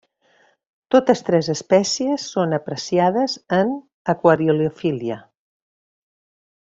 Totes tres espècies són apreciades en aquariofília.